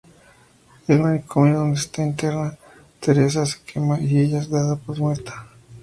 El manicomio donde está interna Teresa se quema y ella es dada por muerta.